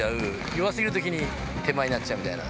弱すぎる時に手前になっちゃうみたいな。